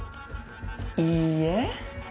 いいえ。